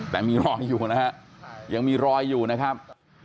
แต่มีรอยอยู่นะฮะยังมีรอยอยู่นะครับ